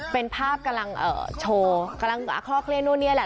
เป็นภาพกำลังโชว์กำลังอาคอเคลียร์โน้นเนี่ยแหละ